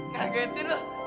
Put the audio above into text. nggak ngerti loh